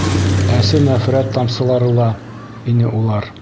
Әсе нәфрәт тамсылары ла ине улар.